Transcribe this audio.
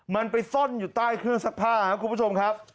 มันไปซ่อนอยู่ใต้เครื่องซักผ้าครับคุณผู้ชมครับ